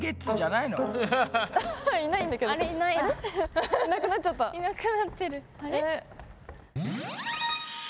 いなくなってる。